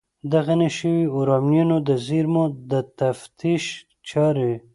د غني شویو یورانیمو د زیرمو د تفتیش چارې